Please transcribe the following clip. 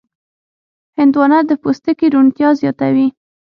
هندوانه د پوستکي روڼتیا زیاتوي.